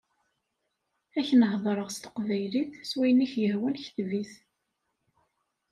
Ad k-n-hedreɣ s teqbaylit, s wayen i k-yehwan kteb-it.